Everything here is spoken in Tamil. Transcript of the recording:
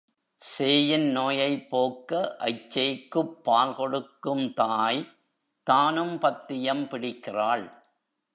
சேயின் நோயைப் போக்க, அச்சேய்க்குப் பால் கொடுக்கும் தாய் தானும் பத்தியம் பிடிக்கிறாள்.